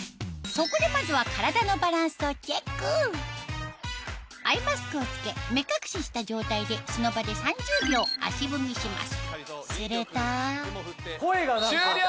そこでまずは体のバランスをチェックアイマスクを着け目隠しした状態でその場で３０秒足踏みしますすると終了！